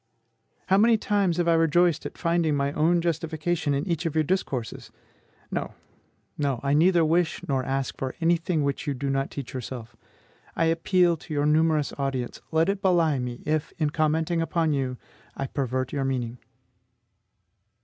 How many times have I rejoiced at finding my own justification in each of your discourses! No, no; I neither wish nor ask for any thing which you do not teach yourself. I appeal to your numerous audience; let it belie me if, in commenting upon you, I pervert your meaning.